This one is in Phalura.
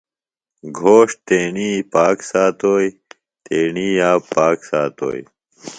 گھوݜٹ تیݨی پاک ساتوئیۡ، تیݨی یاب پاک ساتوئیۡ